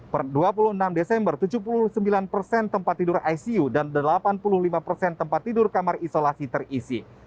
per dua puluh enam desember tujuh puluh sembilan persen tempat tidur icu dan delapan puluh lima persen tempat tidur kamar isolasi terisi